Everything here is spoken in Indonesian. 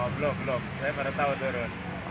belum belum saya baru tahu turun